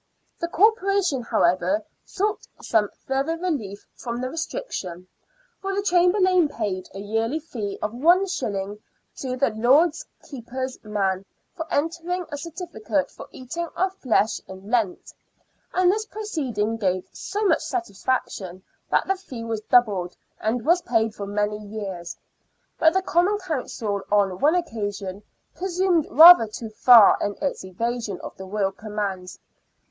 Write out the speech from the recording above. The Corporation, however, sought some further relief from the restriction, for the Chamberlain paid a yearly fee of one shilling to " the Lord Keeper's man for entering a certificate for eating of flesh in Lent," and this proceeding gave so much satisfaction that the fee was doubled, and was paid for many years. But the Common Council on one occasion presumed rather too far in its evasion of the Royal commands.